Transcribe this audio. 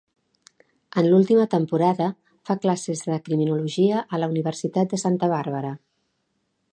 En l'última temporada fa classes de criminologia a la Universitat de Santa Bàrbara.